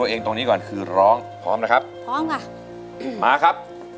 ต้องทำได้เนอะแม่เนอะ